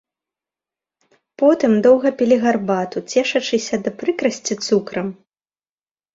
Потым доўга пілі гарбату, цешачыся да прыкрасці цукрам.